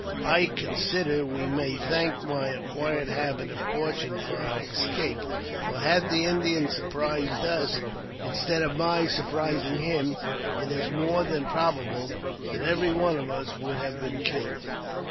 I consider we may thank my acquired habit oi , caution for our escape, for, had the Indian surprised instead of my surprising him, it is more than probable ths every one of us would have been killed.